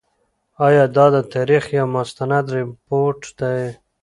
آیا دا د تاریخ یو مستند رپوټ دی؟